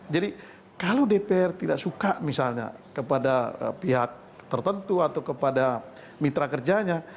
jadi kalau dpr tidak suka misalnya kepada pihak tertentu atau kepada mitra kerjanya